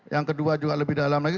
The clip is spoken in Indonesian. yang kedua juga lebih dalam lagi